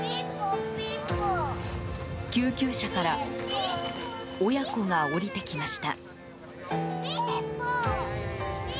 救急車から親子が降りてきました。